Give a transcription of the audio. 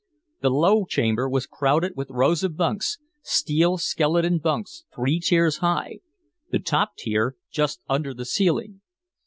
The low chamber was crowded with rows of bunks, steel skeleton bunks three tiers high, the top tier just under the ceiling.